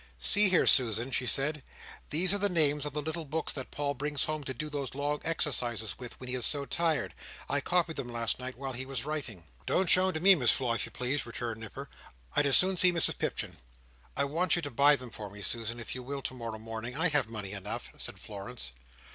"See here, Susan," she said. "These are the names of the little books that Paul brings home to do those long exercises with, when he is so tired. I copied them last night while he was writing." "Don't show 'em to me, Miss Floy, if you please," returned Nipper, "I'd as soon see Mrs Pipchin." "I want you to buy them for me, Susan, if you will, tomorrow morning. I have money enough," said Florence.